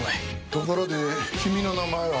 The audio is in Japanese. ところで君の名前は？